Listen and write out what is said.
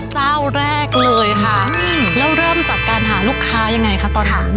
เจ้าแรกเลยค่ะแล้วเริ่มจากการหาลูกค้ายังไงคะตอนนั้น